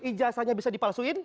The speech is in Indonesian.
ijazahnya bisa dipalsuin